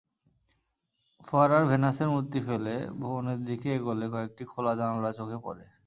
ফোয়ারার ভেনাসের মূর্তি ফেলে ভবনের দিকে এগোলে কয়েকটি খোলা জানালা চোখে পড়ে।